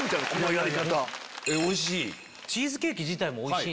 おいしい？